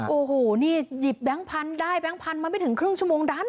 โอ้โหนี่หยิบแบงค์พันธุ์ได้แบงค์พันธุมาไม่ถึงครึ่งชั่วโมงดัน